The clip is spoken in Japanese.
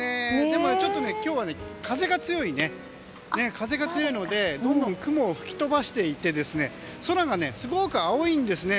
でも、ちょっと今日は風が強いのでどんどん雲を吹き飛ばしていて空がすごく青いんですね。